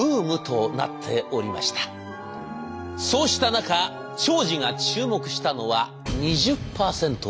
そうした中長司が注目したのは「２０％ルール」。